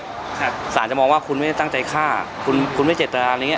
สารจะมองว่าคุณไม่ได้ตั้งใจฆ่าคุณคุณไม่เจตนาอะไรอย่างเง